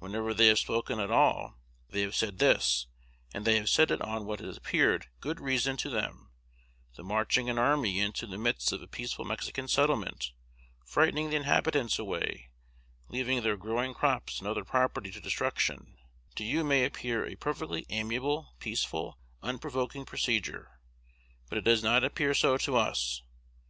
Whenever they have spoken at all, they have said this; and they have said it on what has appeared good reason to them: the marching an army into the midst of a peaceful Mexican settlement, frightening the inhabitants away, leaving their growing crops and other property to destruction, to you may appear a perfectly amiable, peaceful, unprovoking procedure; but it does not appear so to us.